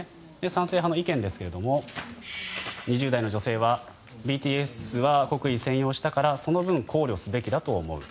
賛成派の意見ですが２０代の女性はＢＴＳは国威宣揚したからその分、考慮すべきだと思う。